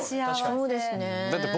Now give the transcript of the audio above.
そうですね。